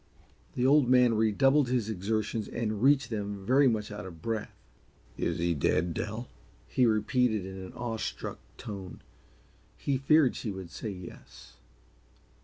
The Old Man redoubled his exertions and reached them very much out of breath. "Is he dead, Dell?" he repeated in an awestruck tone. He feared she would say yes.